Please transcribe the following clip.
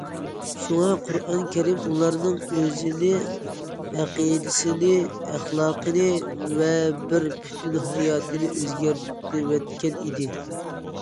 شۇڭا قۇرئان كەرىم ئۇلارنىڭ ئۆزىنى، ئەقىدىسىنى، ئەخلاقىنى ۋە بىر پۈتۈن ھاياتىنى ئۆزگەرتىۋەتكەن ئىدى.